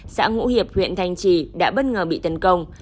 xã ngũ hiệp huyện thanh trì đã bất ngờ bị tấn công